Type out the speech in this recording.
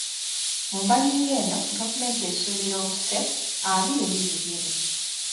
Mu mbalirira eno, gavumenti esuubira obuse abiri mu bubiri.